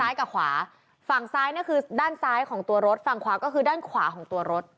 ใช่ค่ะเป็นซ้ายกับขวาฝั่งซ้ายนี่คือด้านซ้ายของตัวรถฝั่งขวาก็คือด้านขวาของตัวรถ